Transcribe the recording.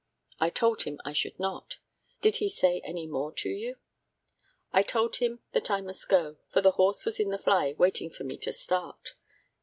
I told him I should not. Did he say any more to you? I told him that I must go, for the horse was in the fly waiting for me to start."